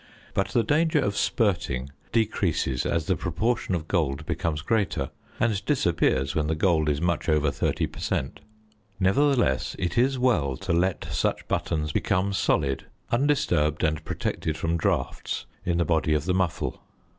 But the danger of spirting decreases as the proportion of gold becomes greater, and disappears when the gold is much over 30 per cent. Nevertheless it is well to let such buttons become solid undisturbed and protected from draughts in the body of the muffle.